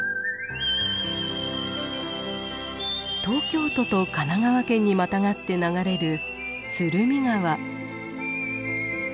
東京都と神奈川県にまたがって流れる鶴見川。